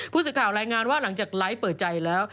ผู้สื่อข่าวรายงานว่าหลังจากไลฟ์เปิดใจแล้ว